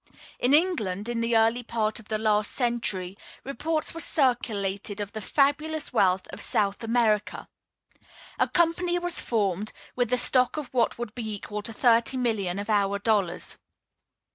In England, in the early part of the last century, reports were circulated of the fabulous wealth of South America. A company was formed, with a stock of what would be equal to thirty millions of our dollars.